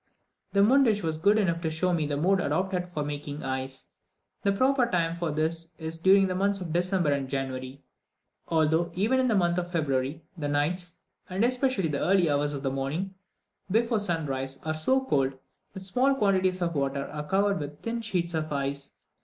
The mundsch was good enough to show me the mode adopted for making ice. The proper time for this is during the months of December and January; although, even in the month of February, the nights, and especially the early hours of the morning before sun rise, are so cold, that small quantities of water are covered with a thin sheet of ice.